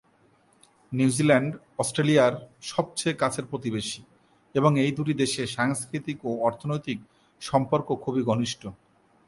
New Zealand অস্ট্রেলিয়ার সবচেয়ে কাছের প্রতিবেশী এবং এই দুটি দেশের সাংস্কৃতিক ও অর্থনৈতিক সম্পর্ক খুব ঘনিষ্ঠ।